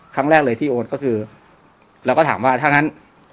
ครั้งแรกเลยที่โอนก็คือเราก็ถามว่าถ้างั้น